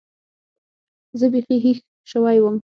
زه بيخي هېښ سوى وم.